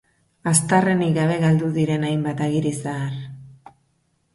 Aztarrenik gabe galdu diren hainbat agiri zahar.